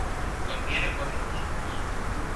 Contiene cuatro músculos.